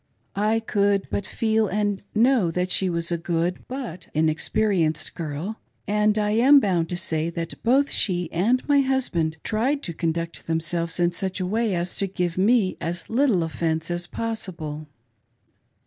I could but feel and know that she was a good but inexperienced girl ; and I am bound to say that both she and my husband tried to conduct themselves in such a way as to give me as little offence as possible.